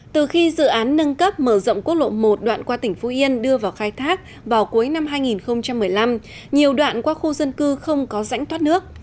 từ khi dự án nâng cấp mở rộng quốc lộ một đoạn qua tỉnh phú yên đưa vào khai thác vào cuối năm hai nghìn một mươi năm nhiều đoạn qua khu dân cư không có rãnh thoát nước